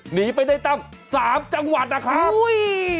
หนีไปได้ตั้ง๓จังหวัดนะครับอุ้ย